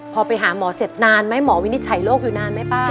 พอไปหาหมอเสร็จนานไหมหมอวินิจฉัยโรคอยู่นานไหมป้า